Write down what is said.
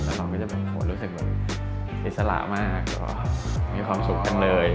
แล้วเราก็จะรู้สึกเหมือนอิสระมากมีความสุขกันเลย